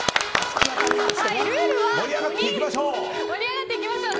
盛り上がっていきましょう！